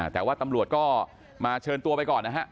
แต่ว่าตำรวจก็มาเชิญตัวไปก่อนนะฮะ